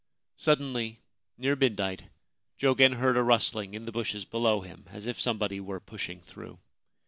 Suddenly, near midnight, Jogen heard a rustling in the bushes below him, as if somebody were pushing through.